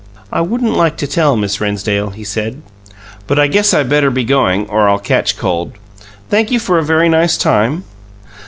"I wouldn't like to tell, Miss Rennsdale," he said. "I guess I better be going or I'll catch cold. Thank you for a very nice time."